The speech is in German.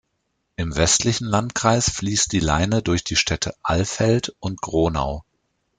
Im westlichen Landkreis fließt die Leine durch die Städte Alfeld und Gronau.